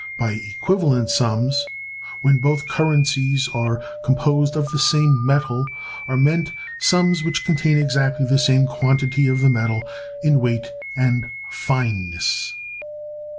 By equivalent sums, when both currencies are composed of the same metal, are meant sums which contain exactly the same quantity of the metal, in weight and fineness.